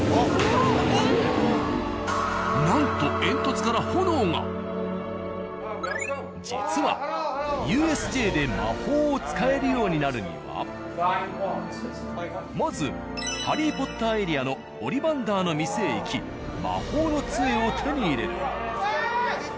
なんと実はＵＳＪで魔法を使えるようになるにはまずハリーポッターエリアのオリバンダーの店へ行き魔法の杖を手に入れる。